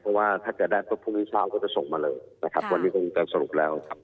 เพราะว่าถ้าจะได้ก็พรุ่งเช้าก็จะส่งมาเลยวันนี้ก็จะสรุปแล้ว